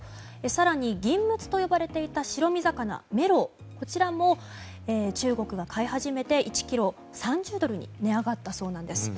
更に、銀ムツと呼ばれていた白身魚、メロもこちらも中国が買い始めて１ｋｇ３０ドルに値上がったそうなんです。